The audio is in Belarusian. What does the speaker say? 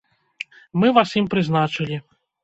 Мы вас ім прызначылі.